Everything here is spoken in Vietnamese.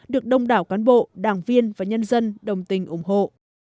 được đông đảo cán bộ đảng viên và nhân dân đồng tình ủng hộ